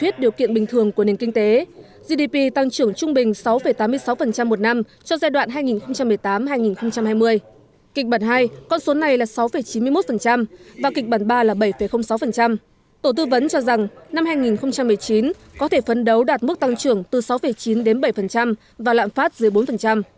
tổ tư vấn cho rằng năm hai nghìn một mươi chín có thể phấn đấu đạt mức tăng trưởng từ sáu chín đến bảy và lạm phát dưới bốn